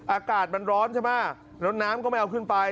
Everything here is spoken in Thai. อากาศมันร้อนใช่ไหมแล้วน้ำก็ไม่เอาขึ้นไป